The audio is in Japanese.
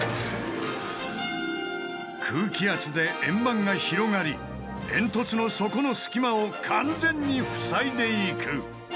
空気圧で円盤が広がり煙突の底の隙間を完全に塞いでいく。